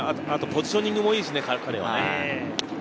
ポジショニングもいいしね、彼は。